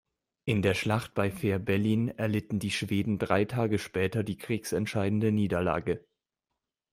In der Schlacht bei Fehrbellin erlitten die Schweden drei Tage später die kriegsentscheidende Niederlage.